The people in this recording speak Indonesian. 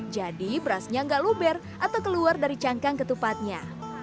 jadi berasnya nggak luber atau keluar dari cangkang ketupatnya